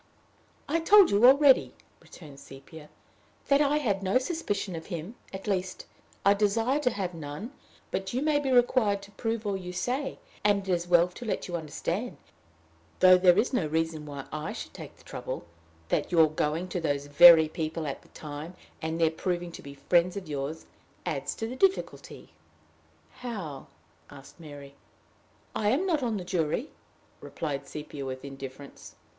"I told you already," returned Sepia, "that I had no suspicion of him at least, I desire to have none, but you may be required to prove all you say; and it is as well to let you understand though there is no reason why I should take the trouble that your going to those very people at the time, and their proving to be friends of yours, adds to the difficulty." "How?" asked Mary. "I am not on the jury," replied Sepia, with indifference.